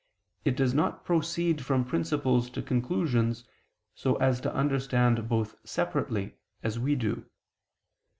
it does not proceed from principles to conclusions, so as to understand both separately, as we do.